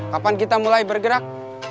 kapan kita mulai bergerak